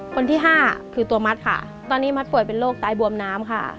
คนที่ห้าคือตัวมัดค่ะตอนนี้มัดป่วยเป็นโรคตายบวมน้ำค่ะ